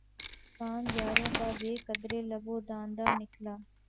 کام یاروں کا بہ قدرٕ لب و دنداں نکلا